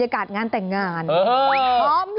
หมอกิตติวัตรว่ายังไงบ้างมาเป็นผู้ทานที่นี่แล้วอยากรู้สึกยังไงบ้าง